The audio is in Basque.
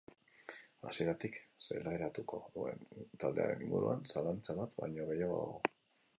Hasieratik zelairatuko duen taldearen inguruan zalantza bat baino gehiago dago.